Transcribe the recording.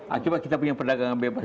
akibat kita punya perdagangan bebas